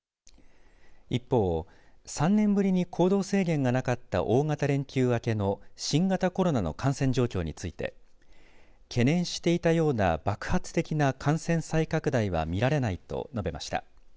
一方、３年ぶりに行動制限がなかった大型連休明けの新型コロナの感染状況について懸念していたような爆発的な感染再拡大は見られないと述べました。